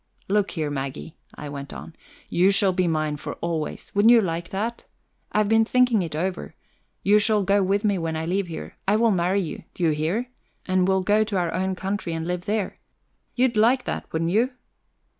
"Look here, Maggie," I went on, "you shall be mine for always. Wouldn't you like that? I've been thinking it over. You shall go with me when I leave here; I will marry you, do you hear? and we'll go to our own country and live there. You'd like that, wouldn't you?"